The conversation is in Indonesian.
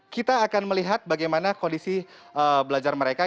kita akan melihat bagaimana kondisi belajar mereka